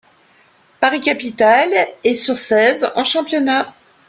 Paris-Capitale est sur seize en championnat.